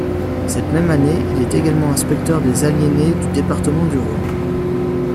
Cette même année, il est également inspecteur des aliénés du département du Rhône.